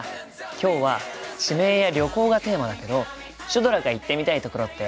今日は地名や旅行がテーマだけどシュドラが行ってみたい所ってある？